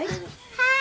はい。